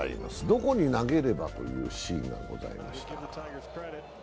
「どこに投げれば」というシーンがございました。